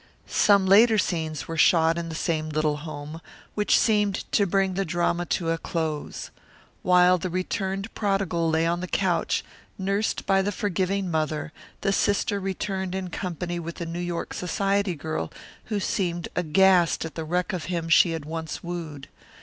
Some later scenes were shot in the same little home, which seemed to bring the drama to a close. While the returned prodigal lay on the couch, nursed by the forgiving mother, the sister returned in company with the New York society girl who seemed aghast at the wreck of him she had once wooed.